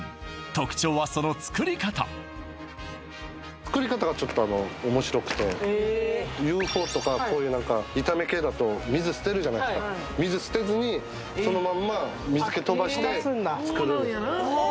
特徴はその作り方作り方がちょっと面白くてＵ．Ｆ．Ｏ．とか炒め系だと水捨てるじゃないですか水捨てずにそのまんま水け飛ばして作るあ